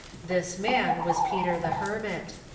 This man was Peter the Hermit.